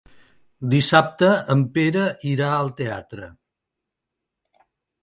Dissabte en Pere irà al teatre.